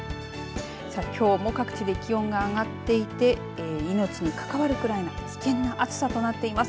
きょうも各地で気温が上がっていて命に関わるくらいの危険な暑さとなっています。